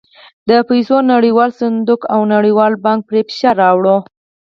د پیسو نړیوال صندوق او نړیوال بانک پرې فشار راووړ.